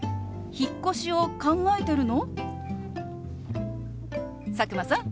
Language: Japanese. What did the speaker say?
引っ越しを考えてるの？